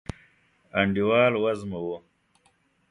انډیوال وزمه و